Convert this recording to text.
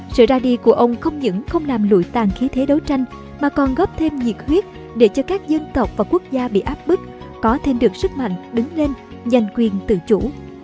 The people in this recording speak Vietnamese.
sự ra đi của ông không những không làm lụi tàn khí thế đấu tranh mà còn góp thêm nhiệt huyết để cho các dân tộc và quốc gia bị áp bức có thêm được sức mạnh đứng lên giành quyền tự chủ